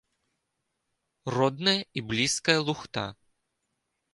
Родная і блізкая лухта.